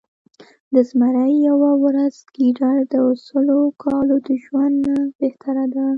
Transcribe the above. د زمري يؤه ورځ د ګیدړ د سلو کالو د ژؤند نه بهتره ده